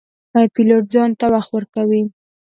پیلوټ ځان ته وخت ورکوي.